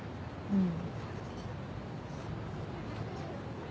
うん。